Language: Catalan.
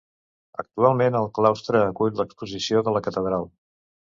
Actualment el claustre acull l'exposició de la Catedral.